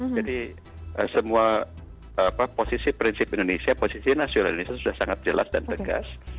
jadi semua posisi prinsip indonesia posisi nasional indonesia sudah sangat jelas dan tegas